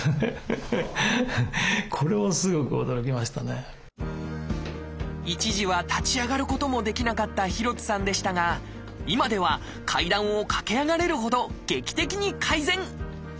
すると一時は立ち上がることもできなかった廣津さんでしたが今では階段を駆け上がれるほど劇的に改善！